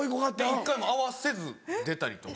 １回も合わせず出たりとか。